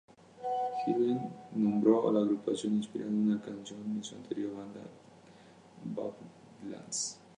Gillen nombró a la agrupación inspirado en una canción de su anterior banda Badlands.